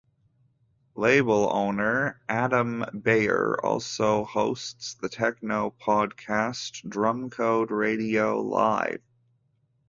Label owner Adam Beyer also hosts the techno podcast Drumcode Radio Live.